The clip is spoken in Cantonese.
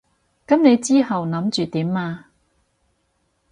噉你之後諗住點啊？